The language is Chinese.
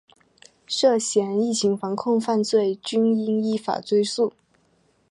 涉嫌疫情防控犯罪均应依法追诉